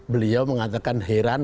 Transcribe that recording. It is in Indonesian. beliau mengatakan heran